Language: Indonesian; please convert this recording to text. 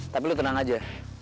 tapi lu tenang aja